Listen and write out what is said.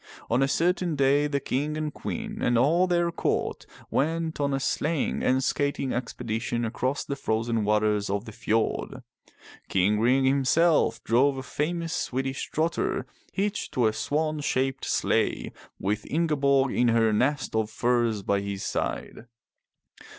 On a cer tain day the King and Queen and all their court went on a sleighing and skating expedition across the frozen waters of the fjord. King 353 M Y BOOK HOUSE Ring himself drove a famous Swedish trotter hitched to a swan shaped sleigh, with Ingeborg in her nest of furs by his side.